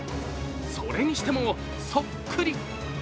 それにしてもそっくり！